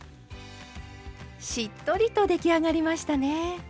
しっとりと出来上がりましたね。